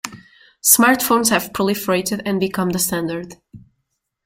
Smartphones have proliferated and become the standard.